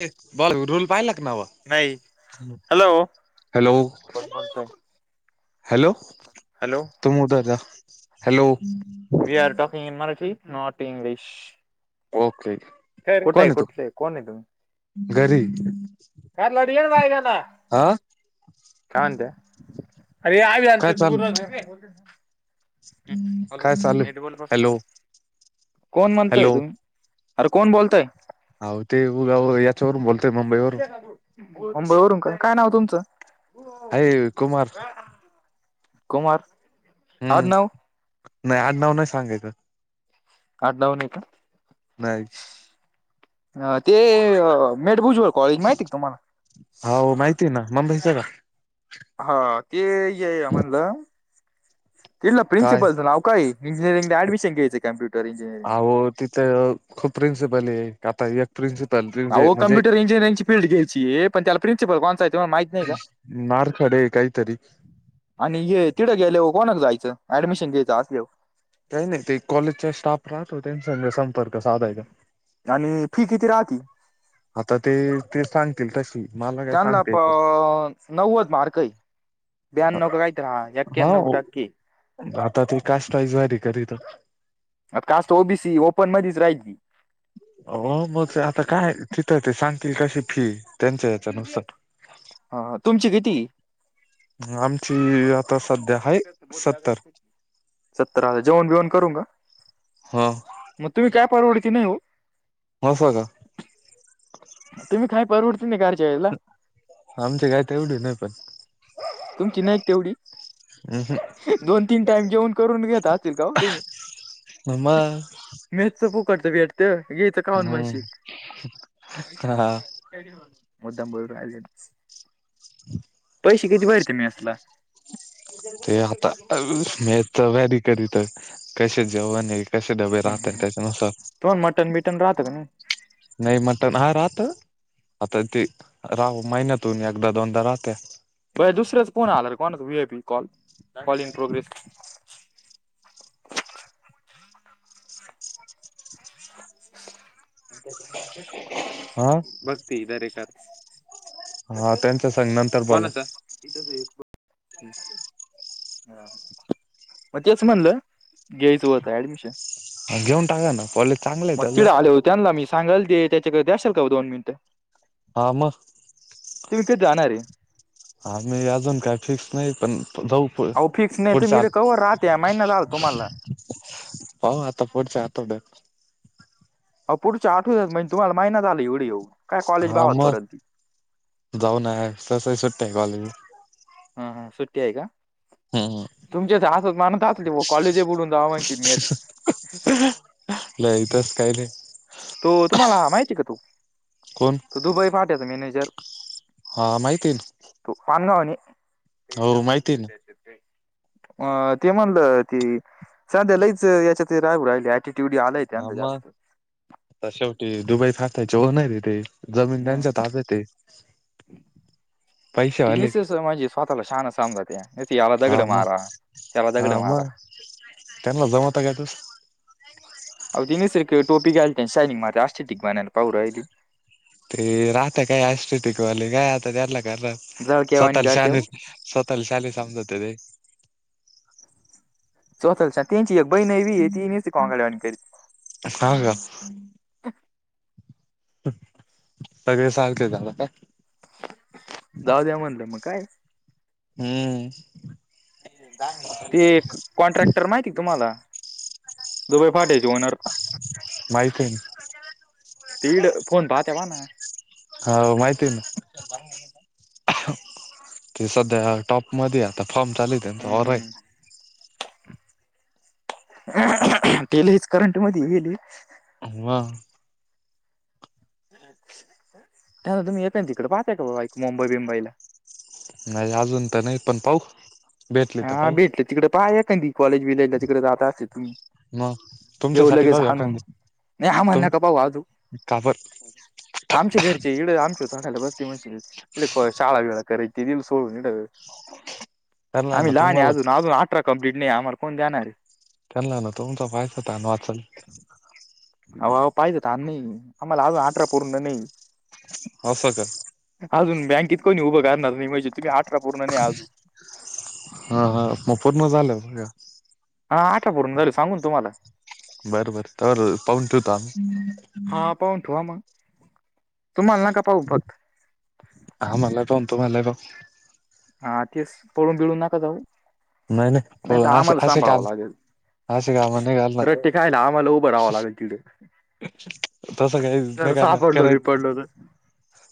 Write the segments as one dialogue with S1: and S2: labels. S1: ते ढोल पाहिला का, नवा नाही. Hello hello.
S2: कोण बोलतोय?
S1: हॅलो
S2: हॅलो
S1: तुम hello.
S2: We are talking in Marathi not English.
S1: Okay.
S2: कायर कुठं
S1: कोण
S2: आहे
S1: तू
S2: कुठ आहे कोण आहे तो?
S1: घरी.
S2: का लढ ये ना बायग ना
S1: हा
S2: काय म्हणते [unintelligible] अरे आ
S1: काय
S2: ते
S1: चालू
S2: तूर [unintelligible]
S1: काय चालू ये
S2: बोल बस.
S1: हॅलो.
S2: कोण म्हणतय
S1: हॅलो
S2: तु, अरे कोण बोलतय.
S1: हो ते उगा हेच्यावरून बोलतोय मुंबई वरून.
S2: मुंबई वरून काय काय नाव तुमचं?
S1: आहे कुमार.
S2: कुमार
S1: हम्म
S2: आडनाव
S1: नाही आडनाव नाही सांगायचं.
S2: आडनाव नाही का.
S1: नाही.
S2: अ ते मेठभुजबळ कॉलेज माहिती आहे का तुम्हाला?
S1: तेना [unintelligible] का?
S2: हा ते ये ये म्हणलं. तिथल्या
S1: काय
S2: प्रिन्सिपलचं नाव काय? इंजिरिंगला ऍडमशन घ्यायचं कॉम्प्युटर इंजिनिरिंगला.
S1: अहो तिथं खूप प्रिन्सिपल आहे, आता एक प्रिन्सिपल
S2: अहो
S1: [unintelligible] म्हणजे
S2: कम्प्युटर इंजिनिअरिंगची फील्ड घ्यायची आहे, पण त्याला प्रिन्सिपल कोणता हाय?
S1: मारखडे विकायच काहीतरी?
S2: आणि हे तिकडे गेल्यावर कोणाकडे जायचं, ऍडमिशन घ्यायचं असल्यावर?
S1: काही नाही ते. कॉलेजचा स्टाफ राहतो. त्यांच्याकडे संपर्क साधायचा.
S2: आणि फी किती राहती?
S1: आता ते ते सांगतील तशी मला काय
S2: त्यांना
S1: सांगते
S2: पण नव्वद मार्क ये.
S1: हा ओ-
S2: [unintelligible]
S1: आता. ते कास्ट व्हॉस वारी करीतात.
S2: आत. कास्ट तर ओ बी सी ओपन मध्येच राहिली.
S1: हो मग ते आता काय तिथं ते सांगतील तशी फी, त्यांच्या याच्या नुसार.
S2: हा.. तुमची किती?
S1: आमची आता सध्या आहे सत्तर
S2: सतराव्या जेवण बेवणं करू का?
S1: हो.
S2: मग तुम्ही काय परवड की नाही हो?
S1: असं का?
S2: तुम्ही काय? परवडते नाही [unintelligible] कार जेवायला.
S1: आमचे काय ते तेवढे नाय पण.
S2: तुमची नाहीत तेवढी.
S1: हम्म.
S2: दोन, तीन टाईम जेवन करून घेत असतील का हो.
S1: मग
S2: मिळतं फुकटचं भेटतं घेत खाऊन मग म. शी
S1: हम्म हा
S2: काय नेऊ? मुद्दाम बोलून राहिले तसं.
S1: [inaudible]
S2: पैसे किती भरती मेसला?
S1: [unintelligible] कसे? डबे राहतात. त्याच्यानुसार,
S2: तुम्हाला मटन बिटन राहतं का नाही
S1: नाही मटन हा राहतो. आता ती राहू महिन्यातून एकदा दोनदा राहत्या.
S2: बर दुसरेच फोन आला कोण? V I P call call इंग प्रोग्रेस. [inaudible]
S1: हा
S2: भघ ती दरेकर. [unintelligible] क
S1: हा त्यांच्या संग नंतर बोला
S2: कोणाचं? तिचा [unintelligible] हा. मग तेच म्हणलं, घ्यायचं होतं ऍडमिशन.
S1: घेऊन टाका. ना कॉलेज. चांगलं आहे
S2: मग
S1: त्याचं
S2: तिकडे आल्यावर त्यांना मी सांगल ते, त्याच्याकडे देशील का ओ दोन मिनिटं?
S1: हा मग.
S2: तुम्ही कधी जाणार आहे
S1: हा. मी अजून काय? फिक्स नाही पण जाऊ.
S2: अहो फिक्स नाही तर
S1: पुढच्या
S2: मीले कवर राहत्या, महिना झालं तुम्हाला.
S1: [inaudible] पाहू आता? पुढच्या आठवड्यात.
S2: अहो पुढच्या आठवड्यात म्हणजे तुम्हाला महिना झाला. ना तुम्हाला इथे येऊन.
S1: हा. मग, जाऊ नाय तशाही सुट्ट्या आहेत. कॉलेजला.
S2: हा. हा. सुट्टी आहे का?
S1: हम्म
S2: तुमच्यात असंम्हणत असतील. कॉलेज बुडवून जावा [unintelligible]
S1: [unintelligible] नाही तसं काही नाही.
S2: तो तुम्हाला माहितीये का? तो
S1: कोण
S2: तो दुबई फाट्याचा मॅनेजर.
S1: हा माहिती आहे तू
S2: तुफान
S1: माहिती आहे ना
S2: [unintelligible] अ ते म्हणलं, ती सध्या लईच याच्यात हे राहू राहिली एटी एवढी आले त्यांचं जास्त.
S1: तर शेवटी दुबई भारताचे हो नाहीरे ते. जमीन
S2: मग
S1: त्यांच्या ताब्यात हाय.
S2: ती निस स म्हणजे स्वतःला शहाण समते त याला दगड
S1: हा मग
S2: मारा. त्याला दगड
S1: हा
S2: मारा.
S1: मग त्यांना जमत काय त.
S2: अव ती नुसती टोपी घालते आणि शायनिंग मारते आषिक टिकबाणाने पाहू राहिली.
S1: ते राहता काय आश टिकवाले, काय आता त्यातला क
S2: जळक्यावाणी
S1: स्वतःला
S2: करते हो
S1: शान. स्वतःला शाले समजत ते.
S2: स्वतः त्यांची एक बहिण नैवी ये ती निसत कोंबड्या वाणी करीत.
S1: हा का. सगळे सारखे झालं का.
S2: जाऊ द्या म्हणलं मग काय.
S1: हम्म.
S2: [unintelligible] ते एक कॉन्ट्रॅक्टर माहिती हाय का तुम्हाला? दुबई फाट्याचे ओनर
S1: माहिती हाय ना.
S2: तिकडं फोन पाहते म्हणा.
S1: हो माहिती आहे ना, ते सध्या टॉपमध्ये आ आता फॉर्म चालू आहे. त्यांचा ओर हे.
S2: हम्म ते लईच करंटमध्ये गेले.
S1: [unintelligible]
S2: तेव्हा तुम्ही येताय तिकडे, पाहताय काय [unintelligible] मुंबई बिंबईला
S1: [unintelligible] अजून तर नाही पण पाहू. भेटली तर
S2: हा
S1: पाहू
S2: भेटले तिकडे पाहा एकाकी कॉलेज बिलेजला तिकडे जात असते तुम्ही.
S1: मग
S2: येऊ
S1: तुमच्यासाठी
S2: लगेच
S1: पाहू
S2: हाणून
S1: एखादी
S2: नाही हा म्हणू
S1: तुम
S2: नका आजू.
S1: काबर
S2: आमच्या घरचे येडं आमच्या झाडाला बसती म्हशीगत. एक शाळा बिळा करायची ती भी सोडलं.
S1: [inaudible] त्यांना ना
S2: आम्ही लहान आहे
S1: तुम्हाला
S2: अजून, अजून अठरा कम्प्लीट नाही. आम्हाला कोण देणार?
S1: त्यांना आना तुमचा पायचा तान वाचलं.
S2: अहो पाहिजे तर नाही. आम्हाला अजून अठरा पूर्ण नाही.
S1: असं का.
S2: अजून बँकेत कोणी उभं करणार नाही. म्हणजे तिकडे अठरा पूर्ण नाही अजून.
S1: हा हा.. मग पूर्ण झालं हे.
S2: हा आठरा पूर्ण झाले सांगून तुम्हाला.
S1: बर बर तवर पाहून ठेवतो आम्ही.
S2: हा पाहून ठेवा मग, तुम्हाला नका पाहू फक्त.
S1: हा मला पण तो मालय बघ.
S2: हा तेच पळून बिळून नका जाऊ.
S1: नाही नाही कॉल
S2: तर
S1: असे
S2: आम्हाला
S1: असे काम
S2: सांभाळावं लागेल
S1: असे काम नाही करणार.
S2: रट्टे खायला आम्हाला उभं राहावं लागेल तिकडे
S1: तसं काही
S2: जर
S1: नाहीकांना
S2: सापडलो
S1: करायच
S2: बिपडलो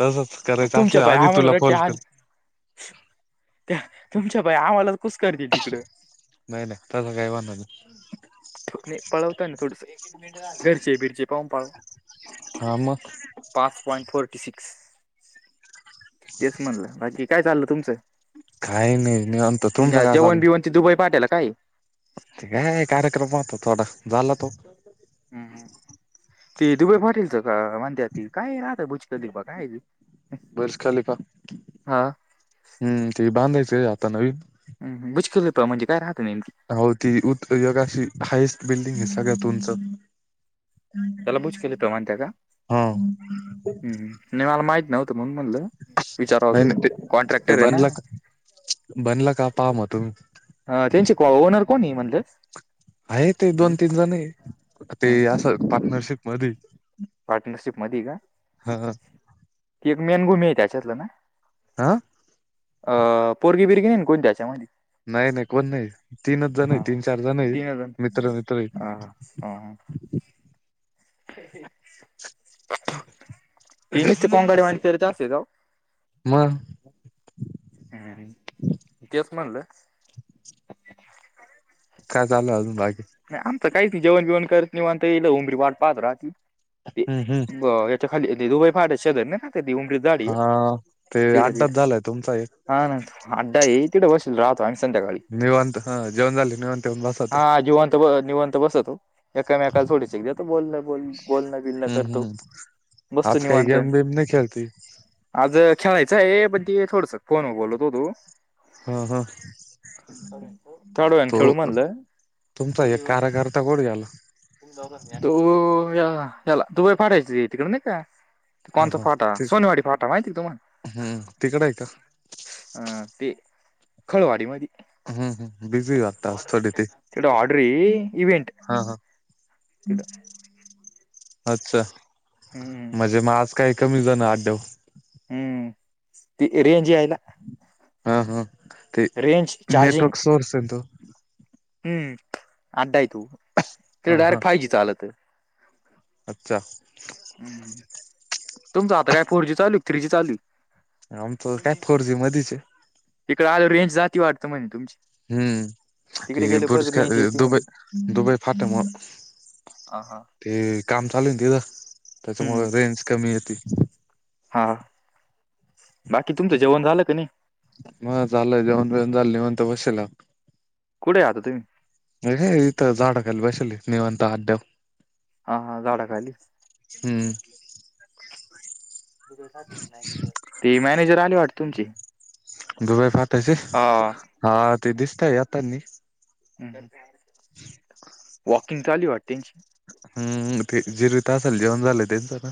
S1: तसच
S2: तर
S1: कराय.
S2: तुमच्या
S1: तसलं
S2: पाय
S1: आधी तुला
S2: आम्हाला रट्टे
S1: कॉल कर
S2: आण त्या तुमच्या बाई आम्हालाच कुसकरते तिकडं.
S1: नाही नाही तसं काय तेव्हा नगं.
S2: पळवताय ना थोडंसं. घ घरचे बिरचे पाहून पाळ
S1: हा. मग.
S2: पाच पॉंईट फोर्टीसी. तेच म्हणलं बाकी काय? चाललं तुमचं.
S1: काही नाही निवांत तुमचं काय
S2: जेवणं,
S1: चाललं
S2: बिवण. त दुबई पाठेला कायये?
S1: ते काय? कार्यक्रम होता. थोडा झाला तो.
S2: हम्म ते. दुबे, पाटील तर. म्हणते ती काय राहत [unintelligible] बुजत त बा काय
S1: बुर्ज खलिफा
S2: हा?
S1: हम्म. ते बांधायचंय. आता नवीन.
S2: ह. गुचखल म्हणजे काय? राहत [unintelligible]
S1: हावू ती. [unintelligible] गाशी हायस्ट बिल्डिंग आहे. सगळ्यात उंच.
S2: हयाला बूज [unintelligible] म्हणत्या काय?
S1: हम.
S2: हम् नाही मला माहित नव्हतं म्हण म्हणलं विचारवात
S1: नाही
S2: म
S1: नाही ते ते
S2: कॉन्ट्रॅक्टर आहे ना?
S1: बनला का बनला का पाहा म तुम्ही.
S2: ह त्यांची ओनर कोण म्हणले?
S1: आहे ते. दोन, तीन जण ते अस पार्टनरशिप मध्ये.
S2: पार्टनरशिप मध्ये का
S1: हा
S2: की एक मेनभूमी आहे त्याच्यातलं ना? [unintelligible]
S1: आ.
S2: अ पोरगी बिरगी नाही कोण? त्याच्यामध्ये.
S1: नाही नाही कोण नाही. तीनच जण आहे,
S2: हा
S1: तीन, चार जण आहेत.
S2: तीन जण
S1: मित्र-मित्र.
S2: ह ती निसती कोंकड्यावाणी करत असती राव.
S1: मग.
S2: हम तेच म्हणलं.
S1: काय चाललं अजून बाकी?
S2: नाही आमच काहीच जेवण बेवण करत नाही [unintelligible] म्हताल उमरी वाट पात राह
S1: हम्म हम्म
S2: ते खाली [unintelligible] उमर.
S1: हा ते आताच झालंय तुमचा ही.
S2: हा. न अडा. ईतिडे बशील राहतो इथं संध्याकाळी.
S1: निवांत. हा. जेवण झाले. निवंत येऊन बसवते.
S2: निवांत बसतो. एकामेकाला थोडीशी [unintelligible] बोलणं बिलण
S1: हम्म
S2: करतो
S1: हम्म.
S2: बसतो
S1: आज काही
S2: निवांत.
S1: गेम बेम नाही खेळती
S2: आज खेळायचं आहे पण ते थोडस फोन बोलत होतो.
S1: हा. हा.
S2: थोड्या वेळानं
S1: तो
S2: खेळू म्हणलं
S1: तुमचा एक कारागर. आता कुठे? गेला.
S2: तू हयाला दुबई फडायच तिकड नाही का?
S1: हा
S2: कोणचा?
S1: हा
S2: फाटा,
S1: ते
S2: सोनेवाडी फाटा माहितीय तुम्हाला.
S1: तिकडं आहे का?
S2: अ ते खळवाडी मदी.
S1: हम्म. हम्म. बिझी हो आता थोडी ते.
S2: तिकडं ऑर्डर आहे इव्हेंट
S1: हा. हा.
S2: तिकडं
S1: अच्छा
S2: हम्म
S1: म्हजे मग आज काही कमी जणां आडयावर.
S2: हम्म. ती रेंज यायला.
S1: हा. हा. ते.
S2: रेंज चार्जिंग
S1: नेटवर्क सोर्स येतो.
S2: हम्म अडाय तू त
S1: हा हा.
S2: डायरेक्ट फायव जी चालतय [unintelligible]
S1: अच्छा.
S2: हम् तुमचं आता काय फोर जी चालू थ्री जी चालूय?
S1: आमच काय फोर जी मध्येचये.
S2: तिकड आल्यावर रेंज जाते वाटतं म्हणे तुमची.
S1: हम्म ते
S2: तिकडे गेले परत
S1: बुरच
S2: रेंज
S1: [unintelligible]
S2: येते म्हणे
S1: दुबई दुबई फाटे मुळ.
S2: हा हा.
S1: ते काम चालू तिथं.
S2: हम्म
S1: त्याच्यामुळे रेंज कमी येते.
S2: हा बाकी तुमचं जेवण झालं क नाही?
S1: म झालंय जेवणं, बेवणं झालं निंवांत बसेला.
S2: कुेठेय आता तूम्ही?
S1: हे हे इथ झाडाखाली बसल निवांत अध्यम.
S2: हा ह झाडा खाली.
S1: हम्म.
S2: ते मॅनेजर आले वाट तुमची.
S1: दुबई फाटाचे हा ते दिसतय येतानी.
S2: ह [unintelligible] वॊकिंग चालू वाट त्यांची.
S1: हम् हम ते जिरवीत असल जेवण झालंय त्यांचं आता.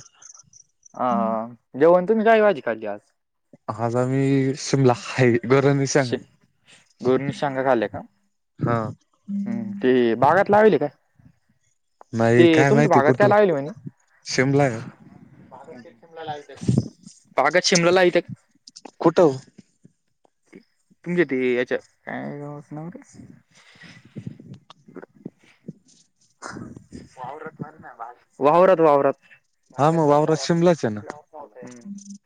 S2: हा जेवन तुम्ही काय भाजी खाल्ली आज?
S1: आज आम्ही शिमला खाय बर विशाल
S2: शे गोरणी शांगा खाल्ल्या का
S1: हा.
S2: हम्म, ते बागात लावेली काय?
S1: नाही
S2: ते
S1: काय
S2: तुमच्या
S1: माहिती
S2: बागात काय
S1: कुठून
S2: लाविली म्हणी?
S1: शिमला आहे
S2: बागात शिमला लावीत तेत
S1: कुठ?
S2: तुमच्या ते याच्यात हम. वावरात म्हणा वावरात वावरात.
S1: हा मग वावरात शिमलाच आहे ना
S2: [unintelligible] मा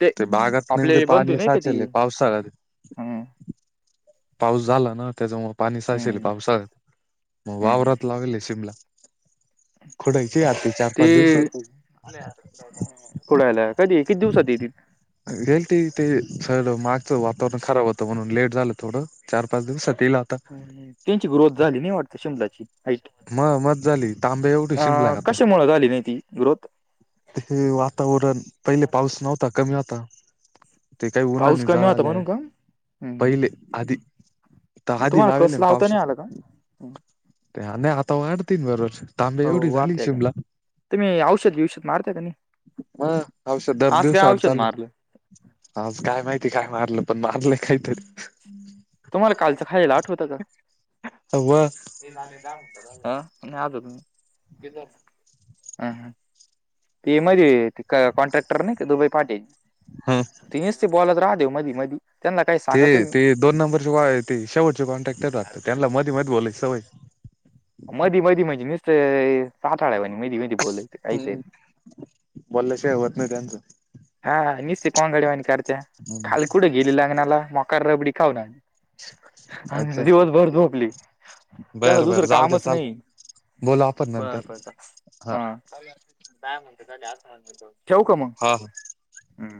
S2: ते
S1: बागात नेमके
S2: आपले बंधू
S1: पाणी
S2: नाही का ते
S1: साचेल पावसाळ्यात
S2: हम.
S1: पाऊस झाला ना त्याच्यामुळे पाणी साचेल
S2: हम्म,
S1: पावसाळ्यात मग
S2: हम्म.
S1: वावरात लावले शिमला. खुडायची यात चार पाच दिवसात.
S2: ते पुढायला कधी किती दिवसात येते
S1: गेल ते ते सगळ मागच वातावरण खराब होतं म्हणून लेट झालं. थोडं चार पाच दिवसात येईल आता.
S2: त्यांची ग्रोथ झाली नाही वाटत शीमलाची?
S1: म मत झाली तांबे एवढी
S2: अ
S1: शिमलाय आता
S2: कशा मुळ झाली नाही ती ग्रोथ?
S1: हे वातावरण पहिले पाऊस नव्हता कमी होता. ते काही
S2: पाऊस
S1: उन्हानी
S2: कमी होता
S1: जळालेय
S2: म्हणून का हम्म.
S1: पहिले आधी. ताहा
S2: मग
S1: आधी
S2: तुम्हाला कस
S1: लावले
S2: लावता
S1: पावसा
S2: नाही आला का हम्म.
S1: ते आता वाढतीन बरच [unintelligible]
S2: हो वाढतेय का तुम्ही औषध बिवषध मारताय का नाही?
S1: म औषध दर
S2: आज
S1: दिवसा
S2: काय
S1: आड
S2: औषध
S1: चालूये.
S2: मारलं
S1: आज काय माहिती काय मारलं पण मारलंय काहीतरी.
S2: तुम्हाला कालचं खायल आठवत का?
S1: व
S2: नाही अजून हम हम [unintelligible] ते मध्ये क कॉन्ट्रॅक्टर नाही का दुबे फाटे?
S1: ह
S2: ते निस्त बोलत राहते मधी मधी. त्यांना काही
S1: ते
S2: सांगतोय मी
S1: ते दोन नंबरचे बा ते शेटचे कॉन्ट्रॅक्टर राहत त्यांना मधी मध्ये बोलायची सवये.
S2: मधी मधी म्हणजे नुसतं चाटल्यावाणी [unintelligible] मी मधी बोलय.
S1: हम्म बोलल्याशिवाय होत नाही त्यांचं.
S2: हा हा निसते कोंगाद्या वाणी करत्या काल कुठं गेली लग्नाला मोकार रबडी खाऊ न आले
S1: अच्छा
S2: आणि दिवसभर झोपली त्यांना
S1: बर बर
S2: दुसरं
S1: जाऊ द्या
S2: कामच
S1: चाल
S2: नाही.
S1: बोलू आपण
S2: बर
S1: नंतर
S2: बर हा. काय म्हणत का जास्त ठेव का मग?
S1: हा
S2: हम्.